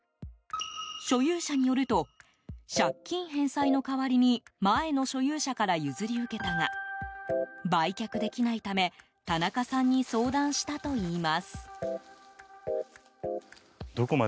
所有者によると借金返済の代わりに前の所有者から譲り受けたが売却できないため田中さんに相談したといいます。